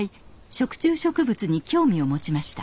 食虫植物に興味を持ちました。